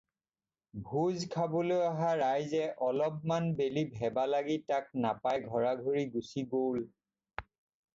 ভোজ খাবলৈ অহা ৰাইজে অলপমান বেলি ভেবালাগি তাক নাপাই ঘৰাঘৰি গুচি গ'ল।